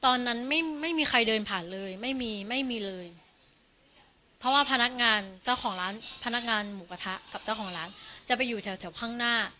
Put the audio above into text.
ตอนนั้นไม่มีใครเดินผ่านเลยไม่มีไม่มีเลยเพราะว่าพนักงานเจ้าของร้านพนักงานหมูกระทะกับเจ้าของร้านจะไปอยู่แถวข้างหน้า